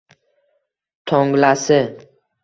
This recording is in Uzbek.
tonglasi